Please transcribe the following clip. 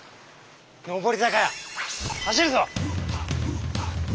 上り坂走るぞ！